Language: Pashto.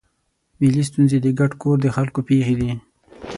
ملي ستونزې د ګډ کور د خلکو پېښې دي.